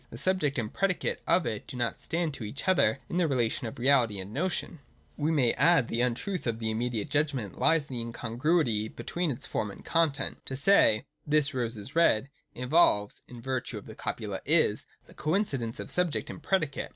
The subject and predicate of it do not stand to each other in the relation of reality and notion. We may add that the untruth of the immediate judgment lies in the incongruity between its form and content. To say ' This rose is red,' involves (in virtue of the copula ' is') the coincidence of subject and predicate.